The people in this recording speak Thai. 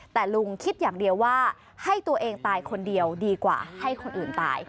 แต่ลุงคิดอย่างเดียวว่าให้ตัวเองตายคนเดียวดีกว่าให้คนอื่นตาย